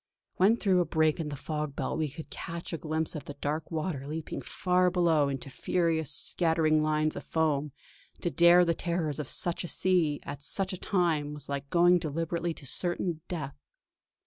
When through a break in the fog belt we could catch a glimpse of the dark water leaping far below into furious, scattering lines of foam, to dare the terrors of such a sea at such a time was like going deliberately to certain death.